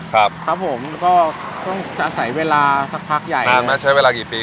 ครับครับผมก็ต้องอาศัยเวลาสักพักใหญ่นานแล้วใช้เวลากี่ปี